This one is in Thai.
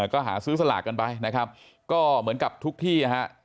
ก็หาซื้อสลากกันไปนะครับก็เหมือนกับทุกที่ฮะ